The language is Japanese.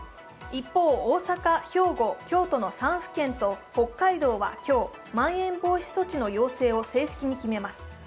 一方、大阪、兵庫、京都の３府県と北海道は今日、まん延防止措置の要請を正式に決めます。